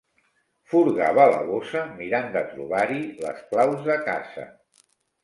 Furgava la bossa mirant de trobar-hi les claus de casa.